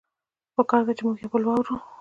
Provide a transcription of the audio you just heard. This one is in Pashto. پکار ده چې مونږه يو بل واورو